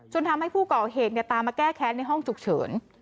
ทำให้ผู้ก่อเหตุตามมาแก้แค้นในห้องฉุกเฉิน